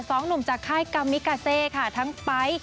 สองหนุ่มจากค่ายกัมมิกาเซค่ะ